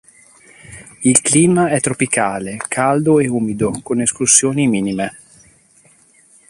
Il clima è tropicale, caldo e umido con escursioni minime.